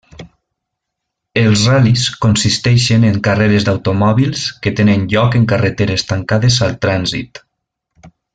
Els ral·lis consisteixen en carreres d'automòbils que tenen lloc en carreteres tancades al trànsit.